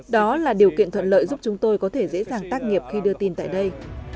đó là điều kiện thuận lợi giúp chúng tôi có thể dễ dàng tác nghiệp khi đưa tin tại đây